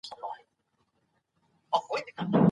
که تعصب ورک سي نو ټولنه به ارامه سي.